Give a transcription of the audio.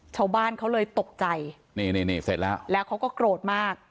ชาวบ้านเขาเลยตกใจนี่นี่เสร็จแล้วแล้วเขาก็โกรธมาก